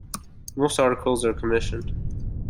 Most articles are commissioned.